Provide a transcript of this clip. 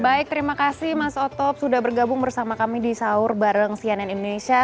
baik terima kasih mas otop sudah bergabung bersama kami di sahur bareng cnn indonesia